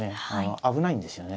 危ないんですよね。